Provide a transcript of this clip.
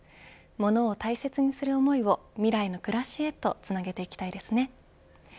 物を大切にする思いを未来の暮らしへとつなげていきたいですね。